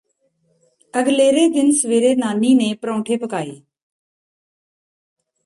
ਅਗਲੇਰੇ ਦਿਨ ਸਵੇਰੇ ਨਾਨੀ ਨੇ ਪਰਾਉਂਠੇ ਪਕਾਏ